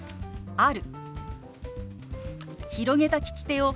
「ある」。